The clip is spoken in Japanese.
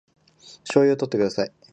醤油をとってください